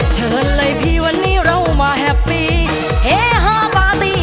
เชิญเลยพี่วันนี้เรามาแฮปปี้เฮฮาปาร์ตี้